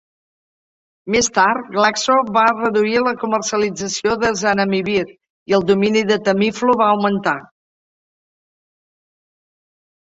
Més tard, Glaxo va reduir la comercialització de zanamivir, i el domini de Tamiflu va augmentar.